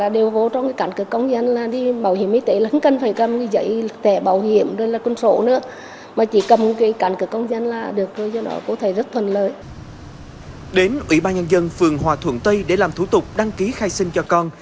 đến ủy ban nhân dân phường hòa thuận tây để làm thủ tục đăng ký khai sinh cho con